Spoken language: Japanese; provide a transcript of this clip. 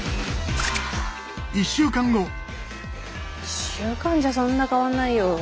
１週間じゃそんな変わんないよ。